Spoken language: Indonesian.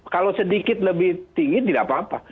kalau sedikit lebih tinggi tidak apa apa